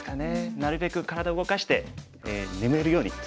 なるべく体動かして眠るようにすることです。